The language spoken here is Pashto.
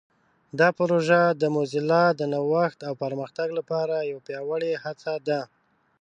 دا پروژه د موزیلا د نوښت او پرمختګ لپاره یوه پیاوړې هڅه ده.